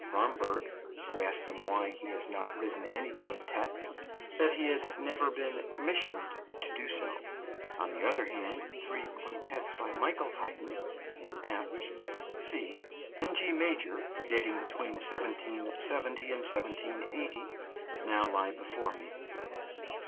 Romberg, who asked him why he has not written any quintets, that he had never been commissioned to do so; on the other hand, three quintets by Michael Haydn in F, C, and G major, dating between 1770 and 1780, now lie before me.